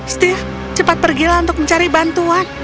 steve cepat pergilah untuk mencari bantuan